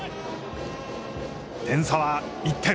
点差は、１点。